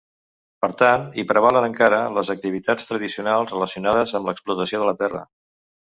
Per tant, hi prevalen encara les activitats tradicionals, relacionades amb l'explotació de la terra.